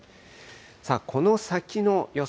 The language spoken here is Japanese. さあ、この先の予想